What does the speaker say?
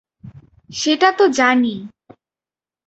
সেটা তো জানি।